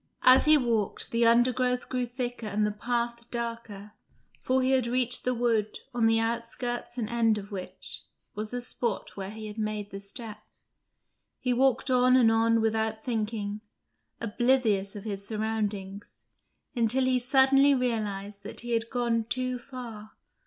As he walked, the undergrowth grew thicker and the path darker, for he had reached the wood, on the outskirts and end of which was the spot where he had made the steps. He walked on and on without thinking, oblivious of his surroundings, until he suddenly realised that he had gone too far.